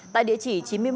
tại địa chỉ chín mươi một